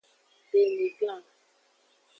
Beniglan.